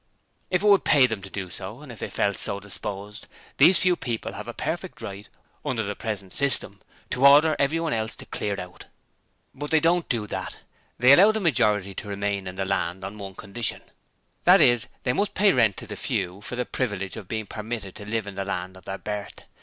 If it would pay them to do so, and if they felt so disposed, these few people have a perfect right under the present system to order everyone else to clear out! 'But they don't do that, they allow the majority to remain in the land on one condition that is, they must pay rent to the few for the privilege of being permitted to live in the land of their birth.